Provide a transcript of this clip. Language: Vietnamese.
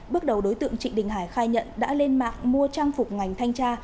bước đầu đối tượng trịnh đình hải khai nhận đã lên mạng mua trang phục ngành thanh tra